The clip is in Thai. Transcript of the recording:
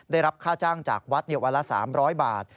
ได้รับค่าจ้างจากวัดวันละ๓๐๐บาท